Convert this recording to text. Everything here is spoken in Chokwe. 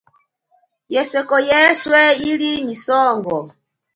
Yeseko yeswe ili nyi songo.